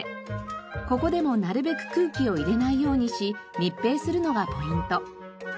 ここでもなるべく空気を入れないようにし密閉するのがポイント。